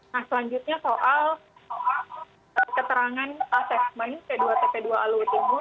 nah selanjutnya soal keterangan asesmen p dua tp dua alui timur